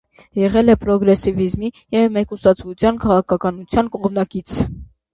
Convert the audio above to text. Եղել է պրոգրեսիվիզմի և մեկուսացվածության քաղաքականության կողմնակից։